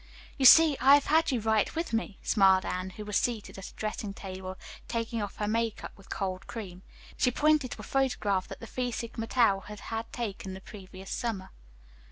"You see, I have had you right with me," smiled Anne, who was seated at a dressing table taking off her make up with cold cream. She pointed to a photograph that the Phi Sigma Tau had had taken the previous summer.